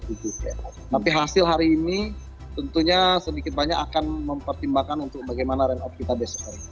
tapi hasil hari ini tentunya sedikit banyak akan mempertimbangkan untuk bagaimana renop kita besok hari